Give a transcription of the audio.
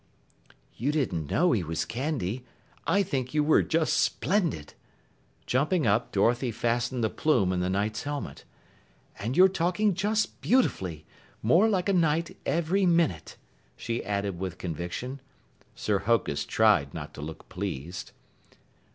"You didn't know he was candy. I think you were just splendid." Jumping up, Dorothy fastened the plume in the Knight's helmet. "And you're talking just beautifully, more like a Knight every minute," she added with conviction. Sir Hokus tried not to look pleased.